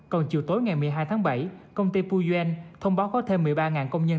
còn chiều tối ngày một mươi hai tháng bảy công ty pujen thông báo có thêm một mươi ba công nhân